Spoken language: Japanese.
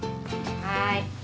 はい。